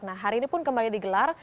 nah hari ini pun kembali digelar